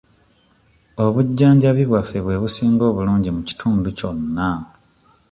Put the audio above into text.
Obujjanjabi bwaffe bwe businga obulungi mu kitundu kyonna.